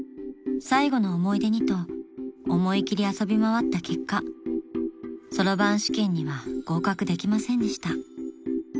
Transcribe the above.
［最後の思い出にと思い切り遊び回った結果そろばん試験には合格できませんでした］